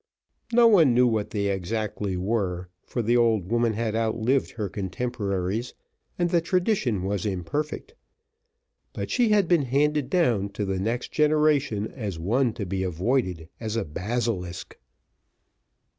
No one knew what they exactly were, for the old woman had outlived her contemporaries, and the tradition was imperfect, but she had been handed down to the next generation as one to be avoided as a basilisk.